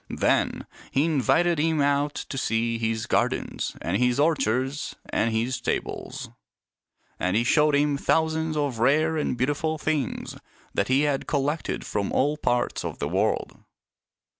Then he invited him out to see his gardens and his orchards and his stables; and he showed him thousands of rare and beautiful things that he had collected from all parts of the world.